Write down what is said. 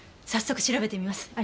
早速調べてみます。